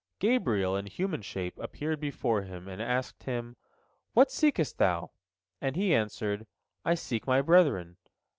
Gabriel in human shape appeared before him, and asked him, saying, "What seekest thou?" And he answered, "I seek my brethren."